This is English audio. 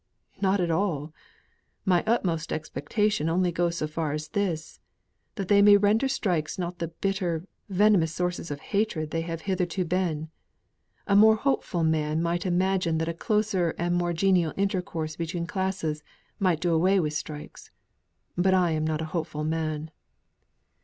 "Not at all. My utmost expectation only goes as far as this that they may render strikes not the bitter, venomous sources of hatred they have hitherto been. A more hopeful man might imagine that a closer and more genial intercourse between classes might do away with strikes. But I am not a hopeful man."